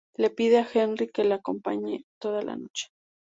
Le pide a Henry que la acompañe toda la noche.